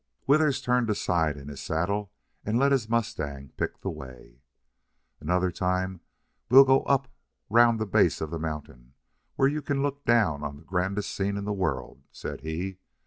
Withers turned sidewise in his saddle and let his mustang pick the way. "Another time we'll go up round the base of the mountain, where you can look down on the grandest scene in the world," said he.